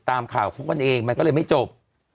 ทำข่าวครูวัลเองมันก็เลยไม่จบ